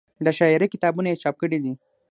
د شاعرۍ کتابونه یې چاپ کړي دي